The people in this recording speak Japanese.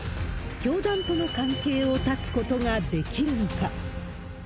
教団との関係を断つことができるのか。